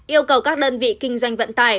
yêu cầu các đơn vị kinh doanh vận tải